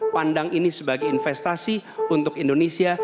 pandang ini sebagai investasi untuk indonesia